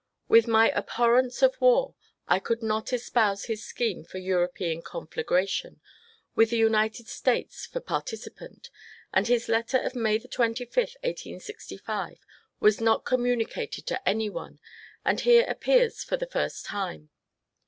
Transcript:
With my abhor rence of war I could not espouse his scheme for European conflagration, with the United States for participant, and his letter of May 25, 1865, was not communicated to any one, and here appears for the first time.